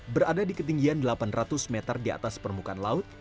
berada di ketinggian delapan ratus meter di atas permukaan laut